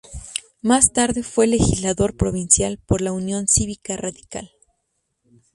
Más tarde fue legislador provincial por la Unión Cívica Radical.